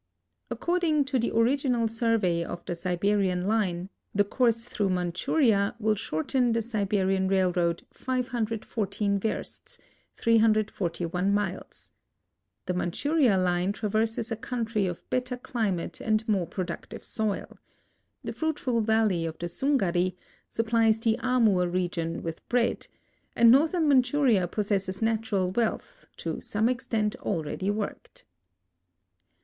According to the original survey of the Siberian line, the course through Manchuria will shorten the Siberian railroad 514 versts (341 miles). The Manchuria, line traverses a country of better climate and more productive soil. The fruitful valle}'' of the Sungari supplies the Amur region with bread, and northern Manchuria possesses natural wealth, to some extent already worked.